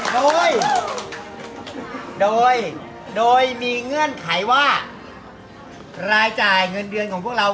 โดยโดยมีเงื่อนไขว่ารายจ่ายเงินเดือนของพวกเรา